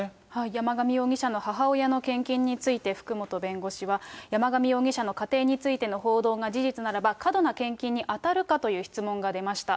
山上容疑者の母親の献金について福本弁護士は、山上容疑者の家庭についての報道が事実ならば、過度な献金に当たるかという質問が出ました。